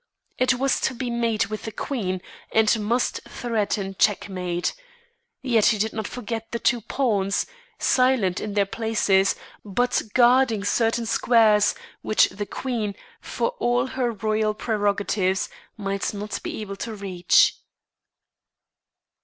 It was to be made with the queen, and must threaten checkmate. Yet he did not forget the two pawns, silent in their places but guarding certain squares which the queen, for all her royal prerogatives, might not be able to reach.